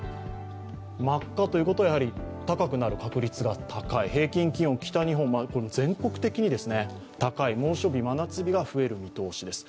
真っ赤ということは高くなる確率が高い、平均気温、全国的に高い猛暑日、真夏日が増える見通しです